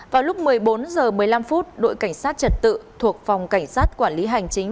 vào lúc một mươi bốn h một mươi năm đội cảnh sát trật tự thuộc phòng cảnh sát quản lý hành chính